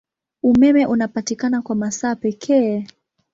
Umeme unapatikana kwa masaa pekee.